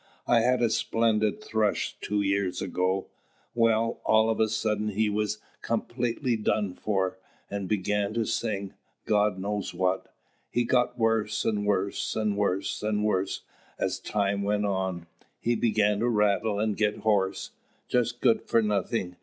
I had a splendid thrush two years ago. Well, all of a sudden he was completely done for, and began to sing, God knows what! He got worse and worse and worse and worse as time went on; he began to rattle and get hoarse just good for nothing!